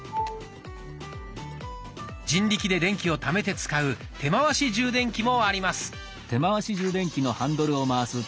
人力で電気をためて使う手回し充電器もあります。